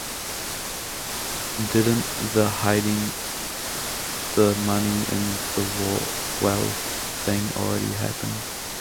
Didn't the hiding-the-money-in-the-well thing happen already?